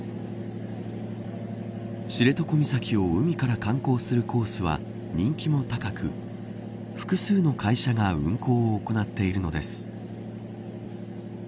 知床岬を海から観光するコースは人気も高く複数の会社が運航を行っているのです。